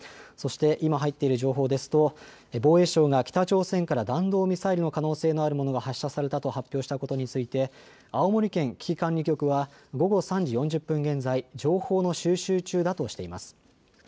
そして今入っている情報ですと防衛省が北朝鮮から弾道ミサイルの可能性のあるものが発射されたと発表したことについて青森県危機管理局は午後３時４０分現在、情報の収集中だとしています。